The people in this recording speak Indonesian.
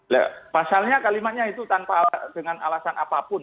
nah pasalnya kalimatnya itu tanpa dengan alasan apapun